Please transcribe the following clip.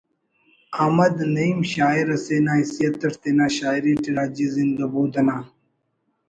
…………احمد نعیم شاعر اسے نا حیثیت اٹ تینا شاعری ٹی راجی زند و بود نا